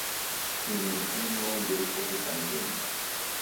ini ni ini wa imbiri kuvika mzinyi.